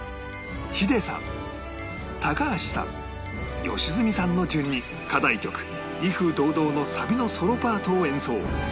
ヒデさん高橋さん良純さんの順に課題曲『威風堂々』のサビのソロパートを演奏